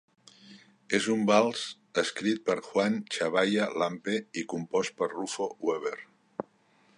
És un vals escrit per Juan Chabaya Lampe i compost per Rufo Wever.